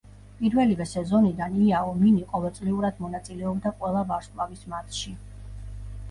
პირველივე სეზონიდან იაო მინი ყოველწლიურად მონაწილეობდა ყველა ვარსკვლავის მატჩში.